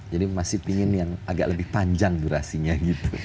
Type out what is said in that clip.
jadi masih ingin yang agak lebih panjang durasinya gitu